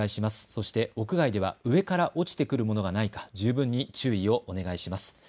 そして屋外では上から落ちてくるものがないか十分に注意をお願いします。